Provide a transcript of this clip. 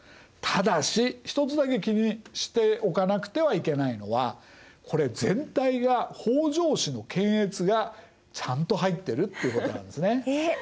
ただし一つだけ気にしておかなくてはいけないのはこれ全体が北条氏の検閲がちゃんと入ってるということなんですね。えっ？